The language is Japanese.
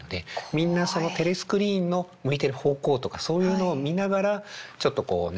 みんなそのテレスクリーンの向いてる方向とかそういうのを見ながらちょっとこうね